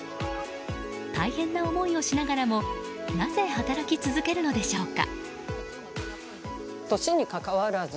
大変な思いをしながらもなぜ働き続けるのでしょうか？